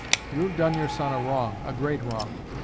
You have done your son a wrong, a great wrong.